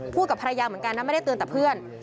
กับภรรยาเหมือนกันนะไม่ได้เตือนแต่เพื่อน